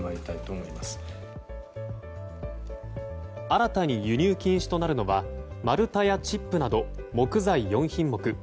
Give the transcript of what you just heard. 新たに輸入禁止となるのは丸太やチップなど木材４品目